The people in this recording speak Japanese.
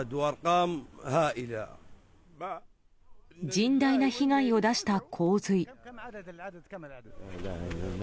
甚大な被害を出した洪水。